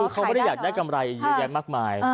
เขาไม่ได้อยากได้กำไรอย่างนั้นมากมาย